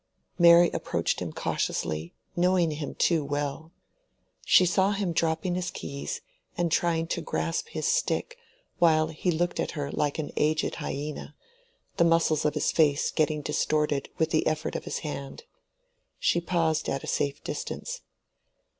Mary approached him cautiously, knowing him too well. She saw him dropping his keys and trying to grasp his stick, while he looked at her like an aged hyena, the muscles of his face getting distorted with the effort of his hand. She paused at a safe distance.